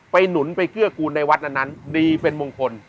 หนุนไปเกื้อกูลในวัดนั้นดีเป็นมงคล